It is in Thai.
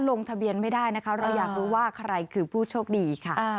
ลงทะเบียนไม่ได้นะคะเราอยากรู้ว่าใครคือผู้โชคดีค่ะ